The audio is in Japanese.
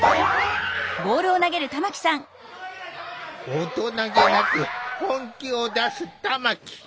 大人気なく本気を出す玉木。